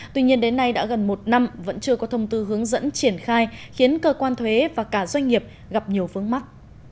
tuy nhiên đến nay đã gần một năm vẫn chưa có thông tư hướng dẫn triển khai khiến cơ quan thuế và cả doanh nghiệp gặp nhiều phương mắc